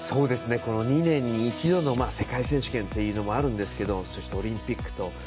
２年に一度の世界選手権っていうのもあるんですけどそして、オリンピックと。